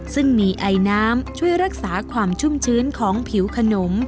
ซึ่งมีไอน้ำช่วยรักษาความชุ่มชื้นของผิวขนม